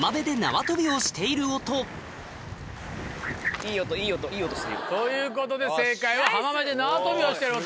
いい音いい音いい音してる。ということで正解は浜辺で縄跳びをしてる音。